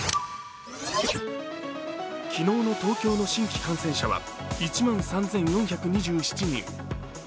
昨日の東京の新規感染者は１万３４２７人。